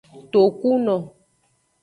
Tokuno.